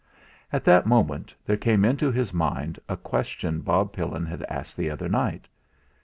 At that moment there came into his mind a question Bob Pillin had asked the other night.